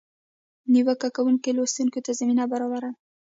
نیوکه کوونکي لوستونکي ته زمینه برابره ده.